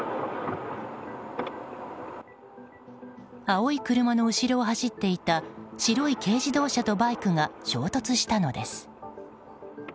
青い車の後ろを走っていた白い軽自動車とバイクが衝突したのです。